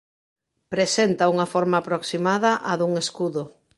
Presenta unha forma aproximada á dun escudo.